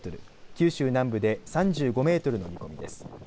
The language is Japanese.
九州南部で３５メートルの見込みです。